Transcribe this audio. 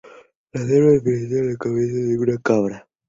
Las armas representan la cabeza de una cabra.